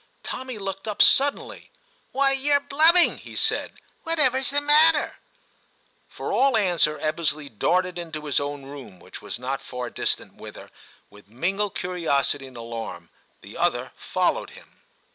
Tommy looked up suddenly. *Why, you're blubbing,' he said; *what ever's the matter ?' For all answer Ebbesley darted into his own room, which was not far distant, whither, 112 TIM CHAP. with mingled curiosity and alarm, the other followed him.